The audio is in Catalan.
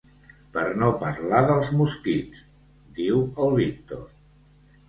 Per no parlar dels mosquits —diu el Víctor.